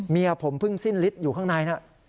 เมียผมเพิ่งสิ้นฤทธิ์อยู่ข้างในนะ